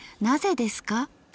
なぜですか』